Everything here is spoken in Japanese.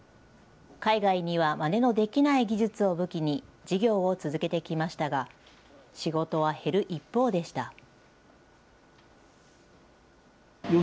海外にはまねのできない技術を武器に事業を続けてきましたが、仕事は減る一方でした。